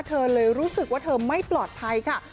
เธอเลยรู้สึกว่าเธอไม่ปลอดภัยค่ะ